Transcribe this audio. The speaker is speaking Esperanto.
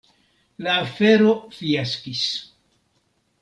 La afero fiaskis.